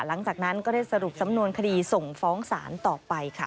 หลังจากนั้นก็ได้สรุปสำนวนคดีส่งฟ้องศาลต่อไปค่ะ